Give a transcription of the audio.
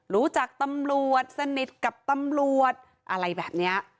รู้จักตำรวจสนิทกับตำรวจอะไรแบบนี้